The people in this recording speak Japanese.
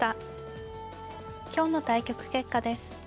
今日の対局結果です。